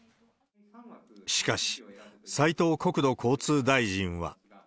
しかし、斉藤国土交通大臣は。